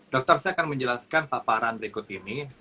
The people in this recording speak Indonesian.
dokter saya akan menjelaskan paparan berikut ini